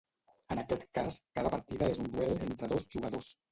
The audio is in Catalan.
En aquest cas, cada partida és un duel entre dos jugadors.